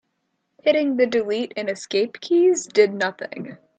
Hitting the delete and escape keys did nothing.